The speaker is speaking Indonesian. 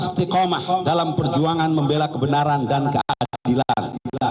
yang tetap istiqomah dalam perjuangan membela kebenaran dan keadilan